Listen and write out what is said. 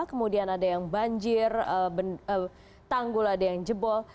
kemudian ada yang banjir tanggul ada yang jebol